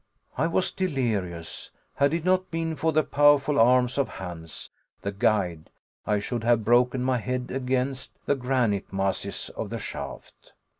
I was delirious. Had it not been for the powerful arms of Hans, the guide, I should have broken my head against the granite masses of the shaft.